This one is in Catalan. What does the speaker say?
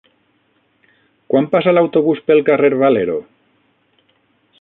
Quan passa l'autobús pel carrer Valero?